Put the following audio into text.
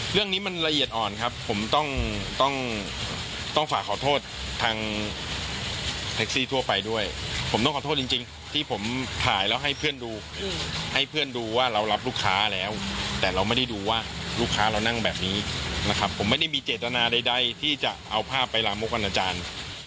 เรื่องนี้มันละเอียดอ่อนครับผมต้องต้องฝากขอโทษทางแท็กซี่ทั่วไปด้วยผมต้องขอโทษจริงที่ผมถ่ายแล้วให้เพื่อนดูให้เพื่อนดูว่าเรารับลูกค้าแล้วแต่เราไม่ได้ดูว่าลูกค้าเรานั่งแบบนี้นะครับผมไม่ได้มีเจตนาใดที่จะเอาภาพไปลามกวันอาจารย์